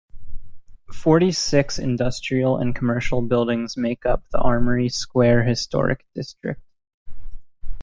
Forty-six industrial and commercial buildings make up the Armory Square Historic District.